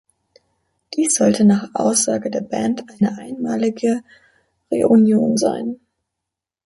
Dies sollte nach Aussage der Band eine einmalige Reunion sein.